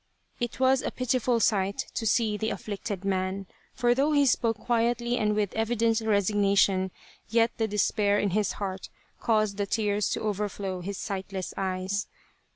It was a pitiful sight to see the afflicted man, for though he spoke quietly and with evident resignation, yet the despair in his heart caused the tears to over flow his sightless eyes.